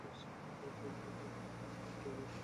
George Harrison এবং Rowan Atkinson দুই ভাই।